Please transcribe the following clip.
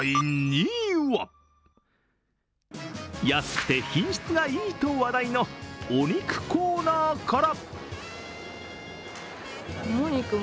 安くて品質がいいと話題のお肉コーナーから。